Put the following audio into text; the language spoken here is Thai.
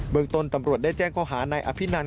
เมืองต้นตำรวจได้แจ้งข้อหานายอภินัน